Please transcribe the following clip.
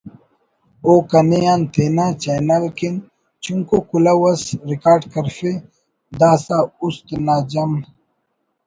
او کنے آن تینا چینل کن چنکو کلہو اس ریکارڈ کرفے داسہ اُست نا جم